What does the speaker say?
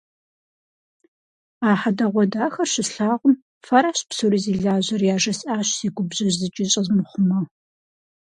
А хьэдэгъуэдахэр щыслъагъум, «Фэращ псори зи лажьэр!» яжесӏащ, си губжьыр зыкӏи щӏэзмыхъумэу.